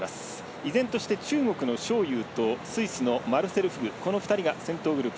依然として中国の章勇とスイスのマルセル・フグこの２人が先頭グループ。